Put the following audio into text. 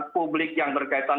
publik yang berkaitan